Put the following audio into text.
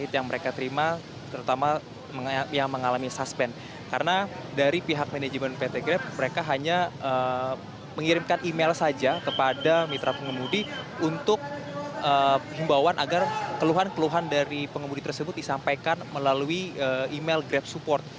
dan setelah itu ada pembawaan agar keluhan keluhan dari pengemudi tersebut disampaikan melalui email grab support